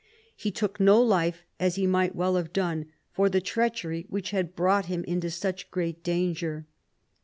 I He took no life, as he might well have done, for the treachery which had brought him into such great danger.